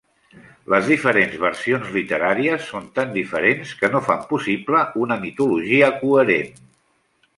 Les diferents versions literàries són tan diferents que no fan possible una mitologia coherent.